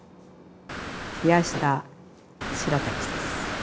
冷やしたしらたきです。